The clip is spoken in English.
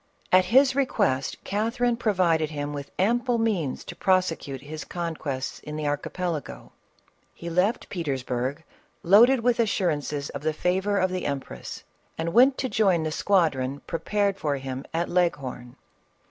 At his request, Catherine provided him with ample means to prosecute his conquests in the Archipelago. He left Petersburg, loaded with assurances of the favor of the empress, and went to join the squadron prepared for him at Leghorn.